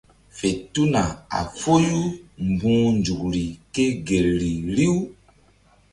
Fe tuna a foyu mbu̧h nzukri ke gel ri riw.